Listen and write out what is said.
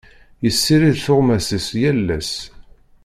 Yessirid tuɣmas-is yal ass.